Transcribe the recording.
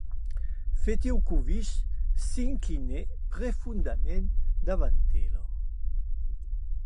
Fetiukovich s'inclinèc prigondaments dauant d'era.